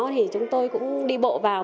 thì chúng tôi cũng đi bộ vào